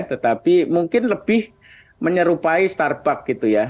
tetapi mungkin lebih menyerupai starbuck gitu ya